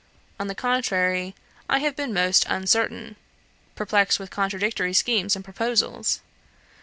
On the contrary, I have been most uncertain, perplexed with contradictory schemes and proposals.